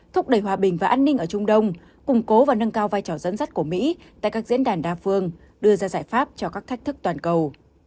thúc đẩy hòa bình và an ninh ở trung đông củng cố và nâng cao vai trò dẫn dắt của mỹ tại các diễn đàn đa phương đưa ra giải pháp cho các thách thức toàn cầu